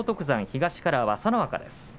東からは朝乃若です。